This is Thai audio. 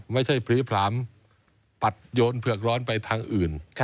ผีผลามปัดโยนเผือกร้อนไปทางอื่น